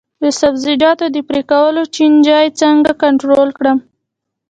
د سبزیجاتو د پرې کولو چینجي څنګه کنټرول کړم؟